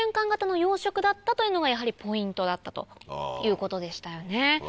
だったというのがやはりポイントだったということでしたよね。